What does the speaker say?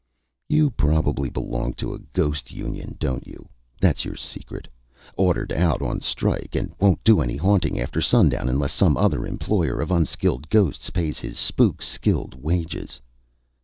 "You probably belong to a ghost union don't you? That's your secret? Ordered out on strike, and won't do any haunting after sundown unless some other employer of unskilled ghosts pays his spooks skilled wages."